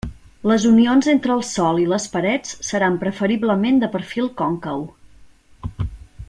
Les unions entre el sòl i les parets seran preferiblement de perfil còncau.